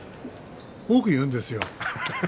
多く言うんですよ。